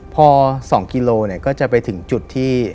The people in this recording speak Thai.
พอ๒กิโลก็จะไปถึงจุดที่